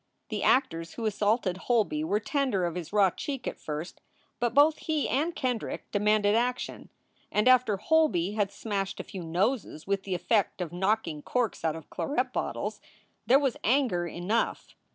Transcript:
The actors who assaulted Holby were tender of his raw cheek at first, but both he and Kendrick demanded action, and after Holby had smashed a few noses with the effect of knocking corks out of claret bottles, there was anger enough.